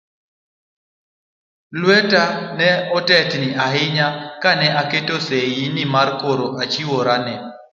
Lweta ne otetni ahinya ka ne aketo seyi ni koro achiwora ne